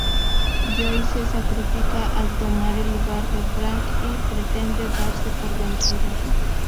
Joe se sacrifica al tomar el lugar de Frank y pretender darse por vencido.